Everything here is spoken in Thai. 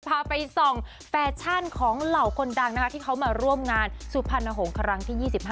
พาไปส่องแฟชั่นของเหล่าคนดังนะคะที่เขามาร่วมงานสุพรรณหงษ์ครั้งที่๒๕